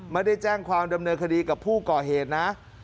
ไม่ได้แจ้งความดำเนินคดีกับผู้ก่อเหตุนะ